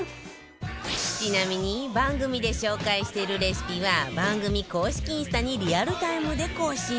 ちなみに番組で紹介してるレシピは番組公式インスタにリアルタイムで更新中